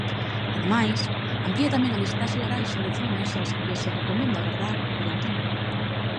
Ademais, amplía tamén a "listaxe laranxa" de zonas ás que se recomenda gardar corentena.